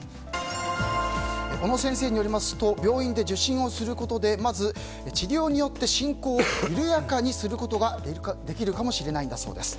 小野先生によりますと病院で受診をすることでまず、治療によって進行を緩やかにすることができるかもしれないそうです。